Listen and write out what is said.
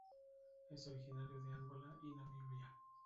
Es originario de Angola y Namibia.